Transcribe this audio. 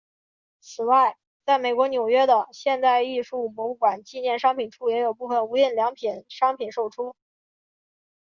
此外在美国纽约的现代艺术博物馆纪念商品处也有部份无印良品商品出售。